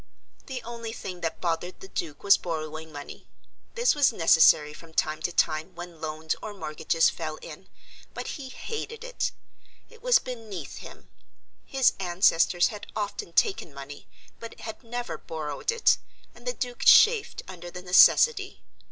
The only thing that bothered the Duke was borrowing money. This was necessary from time to time when loans or mortgages fell in, but he hated it. It was beneath him. His ancestors had often taken money, but had never borrowed it, and the Duke chafed under the necessity.